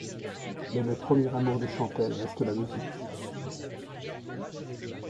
Mais le premier amour de Chantelle reste la musique.